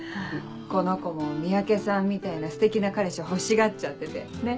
この子も三宅さんみたいなステキな彼氏欲しがっちゃっててねっ。